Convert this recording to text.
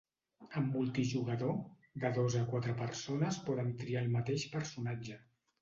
En multijugador, de dos a quatre persones poden triar el mateix personatge.